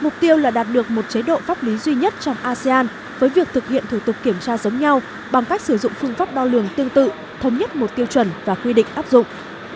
mục tiêu là đạt được một chế độ pháp lý duy nhất trong asean với việc thực hiện thủ tục kiểm tra giống nhau bằng cách sử dụng phương pháp đo lường tương tự thống nhất một tiêu chuẩn và quy định áp dụng